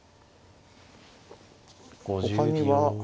ほかには。